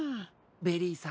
ベリーさん